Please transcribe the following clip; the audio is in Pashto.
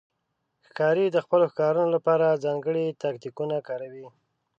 ښکاري د خپلو ښکارونو لپاره ځانګړي تاکتیکونه کاروي.